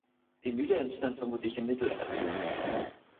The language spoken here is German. Die Mühle entstand vermutlich im Mittelalter.